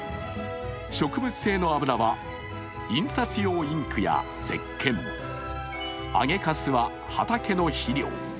植物性の油は印刷用インクやせっけん、揚げかすは畑の肥料。